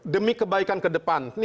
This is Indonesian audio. demi kebaikan ke depan